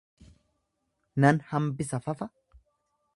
Nan hambisa fafa